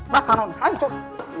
basah namanya hancur